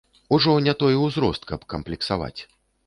Ужо не той узрост, каб камплексаваць!